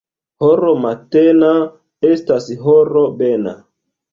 Horo matena estas horo bena.